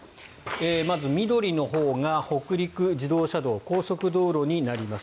まず、緑のほうが北陸自動車道高速道路になります。